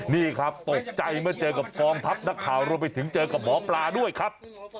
นี่ครับตกใจเมื่อเจอกับกองทัพนักข่าวรวมไปถึงเจอกับหมอปลาด้วยครับ